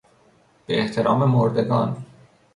به احترام مردگان